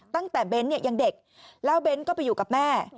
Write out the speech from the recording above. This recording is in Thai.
ตั้งแต่เบ้นเนี่ยยังเด็กแล้วเบ้นก็ไปอยู่กับแม่